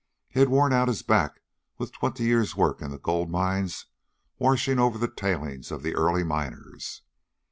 He had worn out his back with twenty years' work in the gold mines, washing over the tailings of the early miners.